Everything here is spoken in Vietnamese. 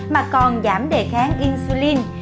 mà còn giảm đề kháng insulin